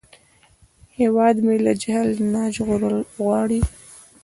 هیواد مې له جهل نه ژغورل غواړي